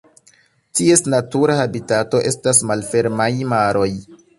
Ties natura habitato estas malfermaj maroj.